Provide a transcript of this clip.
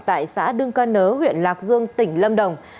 tại xã đương căn nớ huyện lạc dương tỉnh lâm đồng